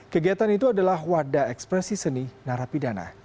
kegiatan itu adalah wadah ekspresi seni narapidana